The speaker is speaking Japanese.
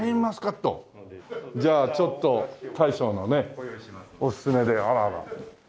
じゃあちょっと大将のねおすすめで。